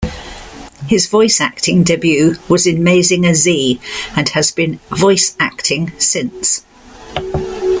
His voice acting debut was in "Mazinger Z", and has been voice acting since.